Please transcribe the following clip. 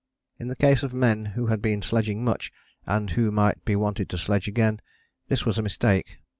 In the case of men who had been sledging much, and who might be wanted to sledge again, this was a mistake.